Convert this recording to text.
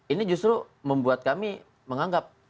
ini justru membuat kami menganggap